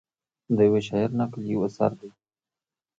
د یوه شاعر نکل یو اثر دی.